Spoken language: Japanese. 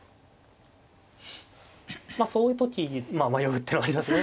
まあそういう時迷うってのはありますね。